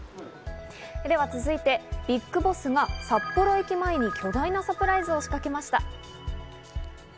では続いて、ＢＩＧＢＯＳＳが札幌駅前に巨大なサプライズを仕掛けました。